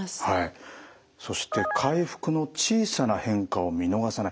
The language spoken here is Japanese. そして「回復の小さな変化を見逃さない」。